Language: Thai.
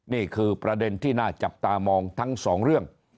นี่คือประเด็นที่น่าจับตามองทั้งสองเรื่อง